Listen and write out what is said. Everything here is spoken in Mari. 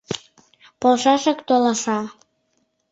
Полшашак толаша